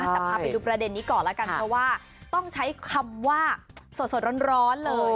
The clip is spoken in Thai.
แต่พาไปดูประเด็นนี้ก่อนแล้วกันเพราะว่าต้องใช้คำว่าสดร้อนเลย